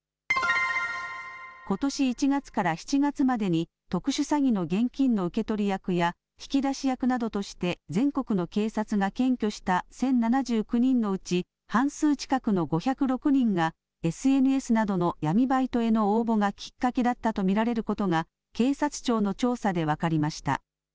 ことし１月から７月までに特殊詐欺の現金の受け取り役や引き出し役などとして全国の警察が検挙した１０７９人のうち半数近くの５０６人がＳＮＳなどの闇バイトへの応募がきっかけだったと見られることが警察庁の調査で分かりました。